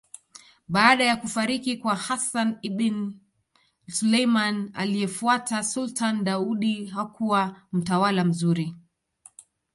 Baada ya kufariki kwa Hassan Ibin Suleman aliyefuata Sultan Daudi hakuwa mtawala mzuri